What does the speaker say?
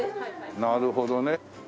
なるほどね。